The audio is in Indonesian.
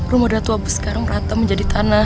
rumah datu abu sekarang rata menjadi tanah